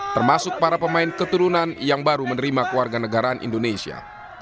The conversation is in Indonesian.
termasuk para pemain keturunan yang baru menerima keluarga negaraan indonesia